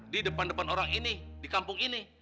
di depan depan orang ini di kampung ini